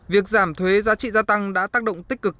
việc giảm thuế giá trị gia tăng đã tác động tích cực